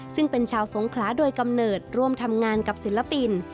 ซึ่งเป็นชาวสงขลาโดยกำเนิดร่วมทำงานกับศิลปิน